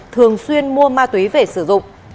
thường xuyên mua ma tuế về sử dụng